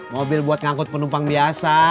mobil buat ngangkut penumpang biasa